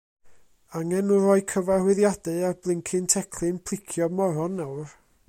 Angen nhw rhoi cyfarwyddiadau ar blincin teclyn plicio moron nawr.